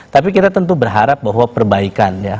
tapi kita tentu berharap bahwa perbaikan ya